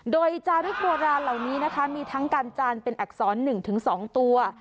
โดยจาริกโบราณเหล่านี้นะคะมีทั้งการจานเป็นอักษร๑๒ตัว